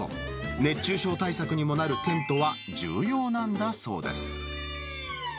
熱中症対策にもなるテントは重要なんだそうです。